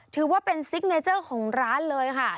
ถือว่าเป็นซิกเนเจอร์ของร้านเลยค่ะ